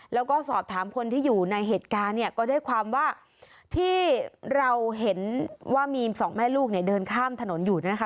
แล้วก็สอบถามคนที่อยู่ในเหตุการณ์เนี่ยก็ได้ความว่าที่เราเห็นว่ามีสองแม่ลูกเนี่ยเดินข้ามถนนอยู่เนี่ยนะคะ